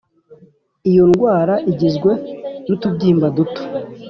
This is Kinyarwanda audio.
Iyo ndwara igizwe nutubyimba duto